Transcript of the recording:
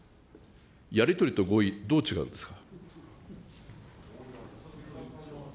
やり取りと合意、どう違うんですか。